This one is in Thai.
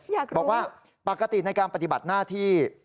บอกว่าปกติในการปฏิบัติหน้าที่